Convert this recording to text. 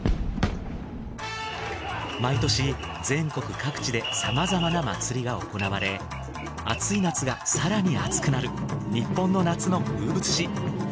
毎年全国各地でさまざまな祭りが行われ暑い夏が更に暑くなる日本の夏の風物詩。